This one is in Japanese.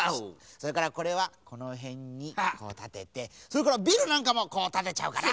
それからこれはこのへんにこうたててそれからビルなんかもこうたてちゃおうかな。